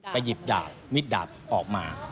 หยิบดาบมิดดาบออกมา